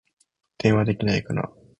電話できないかな